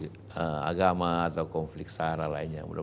konflik agama atau konflik sarah lainnya